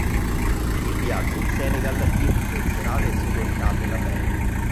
Il viaggio in Senegal influenzerà le sonorità della band.